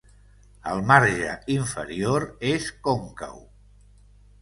El marge inferior és còncau.